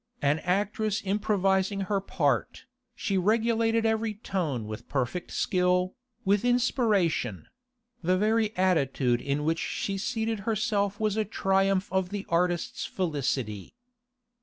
An actress improvising her part, she regulated every tone with perfect skill, with inspiration; the very attitude in which she seated herself was a triumph of the artist's felicity.